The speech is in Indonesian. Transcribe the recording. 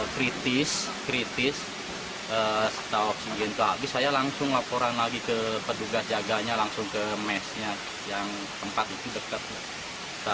kritis kritis setelah oksigen itu habis saya langsung laporan lagi ke petugas jaganya langsung ke mesnya yang tempat itu dekat